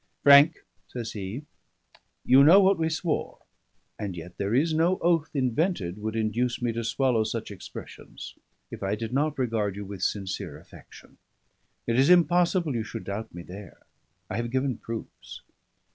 "Frank," says he, "you know what we swore; and yet there is no oath invented would induce me to swallow such expressions, if I did not regard you with sincere affection. It is impossible you should doubt me there: I have given proofs.